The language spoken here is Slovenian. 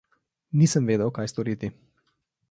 Nisem vedel, kaj storiti.